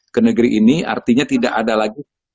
ke negeri ini artinya tidak ada lagi